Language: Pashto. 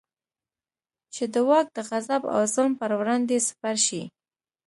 چې د واک د غصب او ظلم پر وړاندې سپر شي.